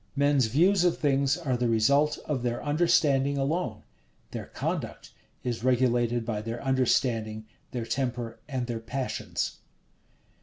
Men's views of things are the result of their understanding alone: their conduct is regulated by their understanding, their temper, and their passions.